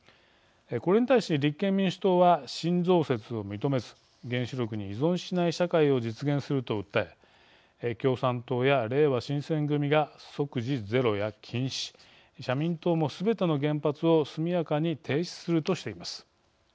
これに対し立憲民主党は新増設を認めず原子力に依存しない社会を実現すると訴え共産党や、れいわ新選組が即時ゼロや禁止社民党も、すべての原発を速やかに停止するとしています。